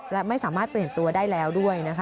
และไม่สามารถเปลี่ยนตัวได้แล้วด้วยนะคะ